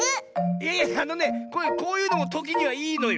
いやいやあのねこういうのもときにはいいのよ。